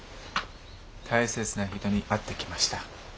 大切な人に会ってきました。